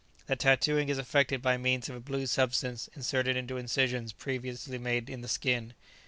The tattooing is effected by means of a blue substance inserted into incisions previously made in the skin.